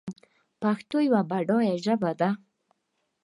پښتو یوه بډایه ژبه ده